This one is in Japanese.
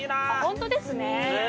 本当ですね。